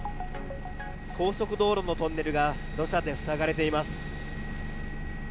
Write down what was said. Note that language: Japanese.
高速道路のトンネルが土砂で塞がれています。